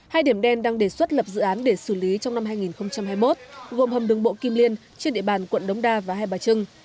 hai điểm đen đang đề xuất lập dự án để xử lý trong năm hai nghìn hai mươi một gồm hầm đường bộ kim liên trên địa bàn quận đống đa và hai bà trưng